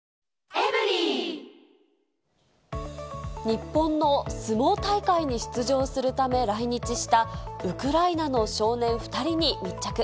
日本の相撲大会に出場するため来日したウクライナの少年２人に密着。